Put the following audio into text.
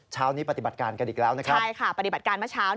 เช้านี้ปฏิบัติการกันอีกแล้วนะครับใช่ค่ะปฏิบัติการเมื่อเช้า